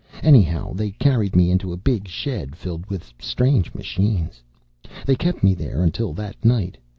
Anyhow, they carried me into a big shed filled with strange machines. "They kept me there until that night.